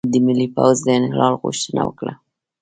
د ملي پوځ د انحلال غوښتنه وکړه،